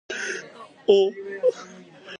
お